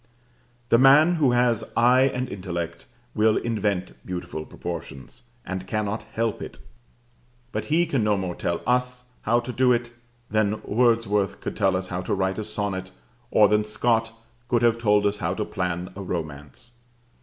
The man who has eye and intellect will invent beautiful proportions, and cannot help it; but he can no more tell us how to do it than Wordsworth could tell us how to write a sonnet, or than Scott could have told us how to plan a romance.